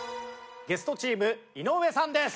ゲストチーム井上さんです。